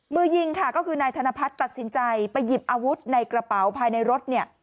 มือยิงค่ะก็คือนายธนพัฒน์ตัดสินใจไปหยิบอาวุธในกระเป๋าภายในรถเนี่ย